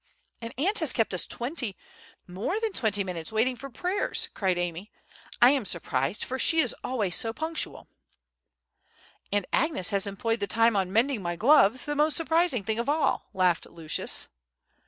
"And Aunt has kept us twenty—more than twenty minutes waiting for prayers!" cried Amy; "I am surprised, for she always is so punctual." "And Agnes has employed the time mending my gloves, the most surprising thing of all," laughed Lucius.